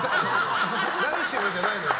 ダルシムじゃないのよ。